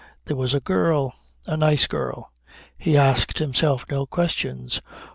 There was a girl. A nice girl. He asked himself no questions.